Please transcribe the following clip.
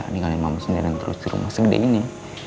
dengan mama sendiri terus di rumah segede ini